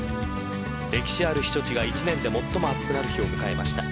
歴史ある避暑地が一年で最も暑くなる日を迎えました。